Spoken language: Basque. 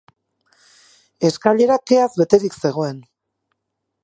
Eskailera keaz beterik zegoen.